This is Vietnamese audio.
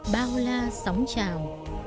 bao la sóng trào